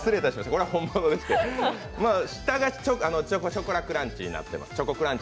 これは本物でして下がショコラクランチになってます。